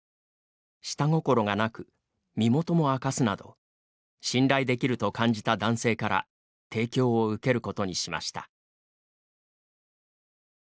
下心がなく、身元も明かすなど信頼できると感じた男性から提供を受けることにしました。